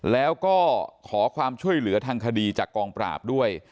แล้วก็ขอความช่วยเหลือทางคดีจากกองปราบด้วย